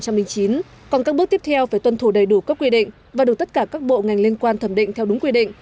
còn các bước tiếp theo phải tuân thủ đầy đủ các quy định và được tất cả các bộ ngành liên quan thẩm định theo đúng quy định